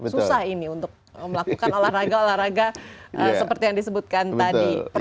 susah ini untuk melakukan olahraga olahraga seperti yang disebutkan tadi